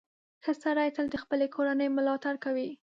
• ښه سړی تل د خپلې کورنۍ ملاتړ کوي.